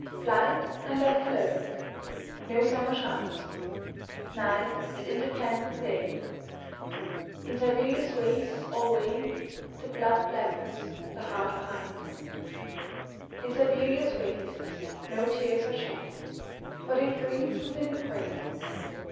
Blight and death alone.No summer shines. Night is interblent with Day.In Siberia's wastes alwayThe blood blackens, the heart pines.In Siberia's wastesNo tears are shed, For they freeze within the brain.